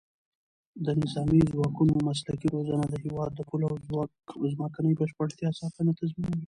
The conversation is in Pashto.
د نظامي ځواکونو مسلکي روزنه د هېواد د پولو او ځمکنۍ بشپړتیا ساتنه تضمینوي.